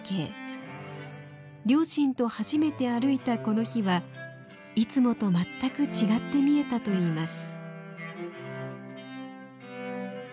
両親と初めて歩いたこの日はいつもと全く違って見えたといいます。